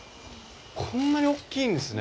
こんなに大きいんですね。